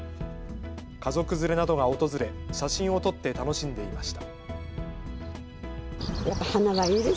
家族連れなどが訪れ写真を撮って楽しんでいました。